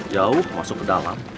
jauh masuk ke dalam